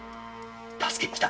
助けに来た。